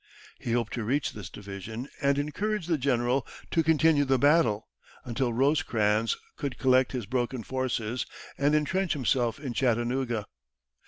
He hoped to reach this division, and encourage the general to continue the battle until Rosecrans could collect his broken forces and entrench himself in Chattanooga.